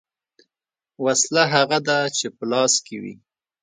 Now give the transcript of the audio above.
ـ وسله هغه ده چې په لاس کې وي .